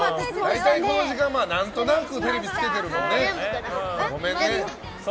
大体この時間何となくテレビつけてるもんね。